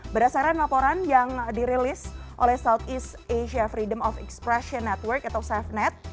berdasarkan laporan yang dirilis oleh southeast asia freedom of expression network atau safenet